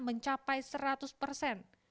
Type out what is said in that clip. mencapai seratus persen